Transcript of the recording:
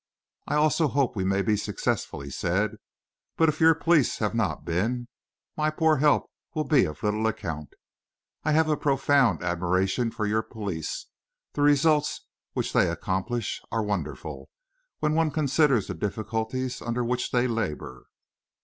"I also hope we may be successful," he said; "but if your police have not been, my poor help will be of little account. I have a profound admiration for your police; the results which they accomplish are wonderful, when one considers the difficulties under which they labour."